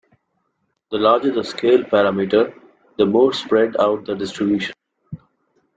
The larger the scale parameter, the more spread out the distribution.